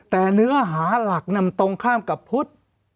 แต่เนื้อหาหลักนำตรงข้ามกับพุทธ